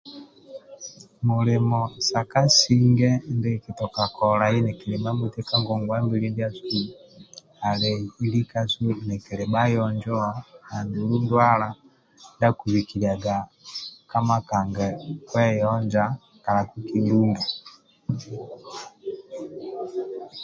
Mulimo sa kasinge ndie kikitoka kolai ka ngongwabili ndiasu ali likasu nikili bayonjo ansulu ndwala ndia kibhikiliaga ka makanga kweyonja kala kiki lumba